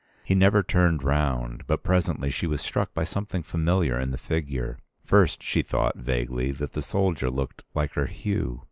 He never turned round; but presently she was struck by something familiar in the figure. First she thought vaguely that the soldier looked like her Hugh.